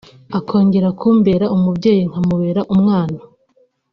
akongera kumbera umubyeyi nkamubera umwana